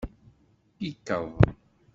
Kikeḍ.